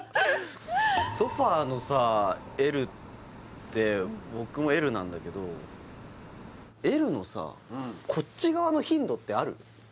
ソファーのさＬって僕もＬなんだけどＬのさこっち側の頻度ってある？